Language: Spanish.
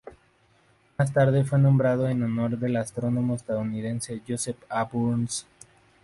Más tarde fue nombrado en honor del astrónomo estadounidense Joseph A. Burns.